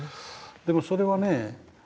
でもそれはね